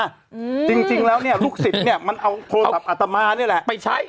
อืมจริงจริงแล้วเนี้ยลูกศิษย์เนี้ยมันเอาโทรศัพท์อัตมาเนี้ยแหละไปใช้